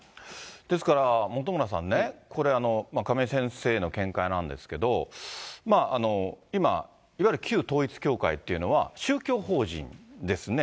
ですから本村さんね、これ、亀井先生の見解なんですけど、今、いわゆる旧統一教会というのは、宗教法人ですね。